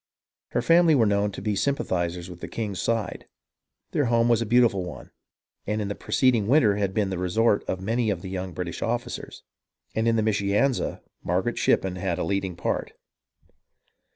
Her family were known to be sympathizers with the king's side. Their home was a beautiful one, and in the preceding winter had been the resort of many of the young British officers ; and in the Mischianza, Margaret Shippen had had a leading part.